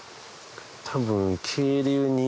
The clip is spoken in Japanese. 多分。